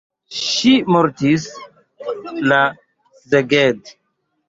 Li mortis la en Szeged.